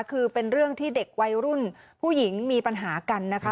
คือเป็นเรื่องที่เด็กวัยรุ่นผู้หญิงมีปัญหากันนะคะ